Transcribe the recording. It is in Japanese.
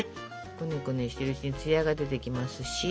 こねこねしてるうちに艶が出てきますし。